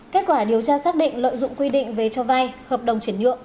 kết quả điều tra xác định lợi dụng quy định về cho vay hợp đồng chuyển nhượng